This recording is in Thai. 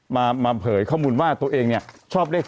มาเผยข้อมูลว่าตัวเองเนี่ยชอบเลข๓